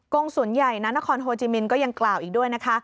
งศูนย์ใหญ่นานครโฮจิมินก็ยังกล่าวอีกด้วยนะคะ